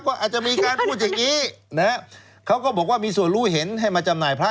ก็อาจจะมีการพูดอย่างนี้นะฮะเขาก็บอกว่ามีส่วนรู้เห็นให้มาจำหน่ายพระ